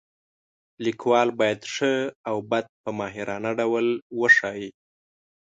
لیکوال باید ښه او بد په ماهرانه ډول وښایي.